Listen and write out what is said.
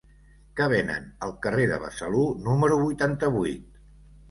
Què venen al carrer de Besalú número vuitanta-vuit?